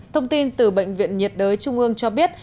thông tin từ bệnh viện nhiệt đới trung ương cho biết